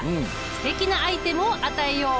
すてきなアイテムを与えよう。